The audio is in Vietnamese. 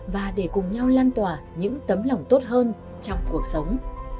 và để cùng nhau lan tỏa những tấm lòng tốt hơn trong cuộc sống